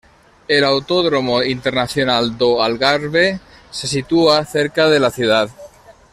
El Autódromo Internacional do Algarve se sitúa cerca de la ciudad.